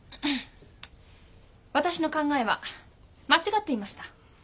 私の考えは間違っていました。